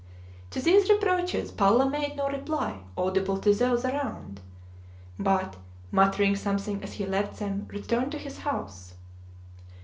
To these reproaches Palla made no reply audible to those around, but, muttering something as he left them, returned to his house.